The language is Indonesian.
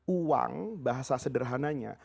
uang bahasa sederhananya